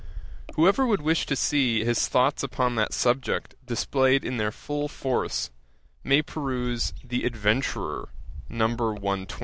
Whoever would wish to see his thoughts upon that subject displayed in their full force, may peruse The Adventurer, Number 126.